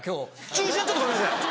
中心はちょっとごめんなさい。